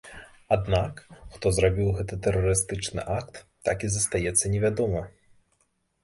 Аднак, хто зрабіў гэты тэрарыстычны акт, так і застаецца невядома.